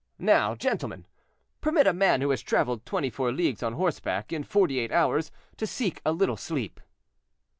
"Now, gentlemen, permit a man who has traveled twenty four leagues on horseback in forty eight hours to seek a little sleep."